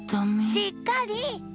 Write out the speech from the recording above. しっかり！